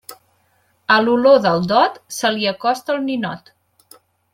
A l'olor del dot, se li acosta el ninot.